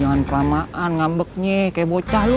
jangan kelamaan ngambeknya kayak bocah